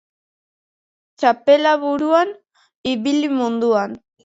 Txapela buruan, ibili munduan.